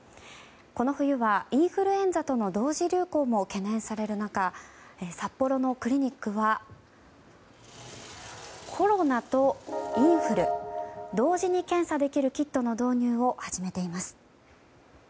この冬はインフルエンザとの同時流行も懸念される中札幌のクリニックはコロナとインフル同時に検査できるキットの導入を始めています。